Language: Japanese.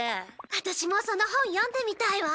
ワタシもその本読んでみたいわ。